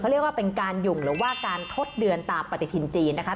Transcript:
เรียกว่าเป็นการหยุ่งหรือว่าการทดเดินตามปฏิทินจีนนะคะ